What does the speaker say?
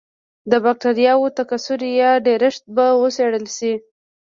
د بکټریاوو تکثر یا ډېرښت به وڅېړل شي.